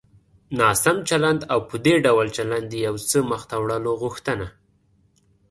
ناسم چلند او په دې ډول چلند د يو څه مخته وړلو غوښتنه.